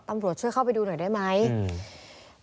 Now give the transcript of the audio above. ตำรวจช่วยเข้าไปดูหน่อยได้ไหมอืม